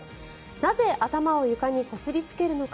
なぜ頭を床にこすりつけるのか。